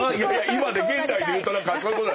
今ね現代で言うと何かそういうこと。